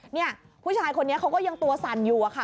เนี่ยผู้ชายคนนี้เขาก็ยังตัวสั่นอยู่อะค่ะ